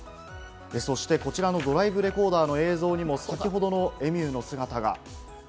そしてこちらのドライブレコーダーの映像にも、先ほどのエミューの姿が。